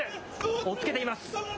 押っつけています。